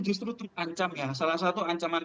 justru terancam ya salah satu ancaman